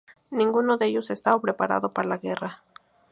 Ninguno de ellos estaba preparado para la guerra.